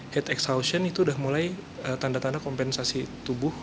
heat exhaustion itu udah mulai tanda tanda kompensasi tubuh